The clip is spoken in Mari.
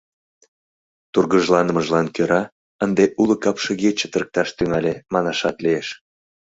Тургыжланымыжлан кӧра ынде уло капшыге чытырыкташ тӱҥале, манашат лиеш.